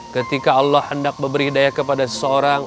ketika allah hendak memberi daya kepada seseorang